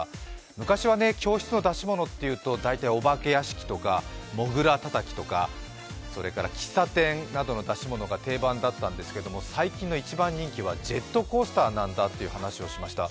昔は教室の出し物というと、だいたいお化け屋敷とかもぐらたたきとか、喫茶店などの出し物が定番だったんですけど最近の一番人気はジェットコースターなんだっていう話をしました。